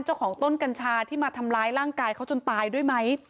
เจ้าของต้นกัญชาที่มาทำร้ายร่างกายเขาจนตายด้วยไหม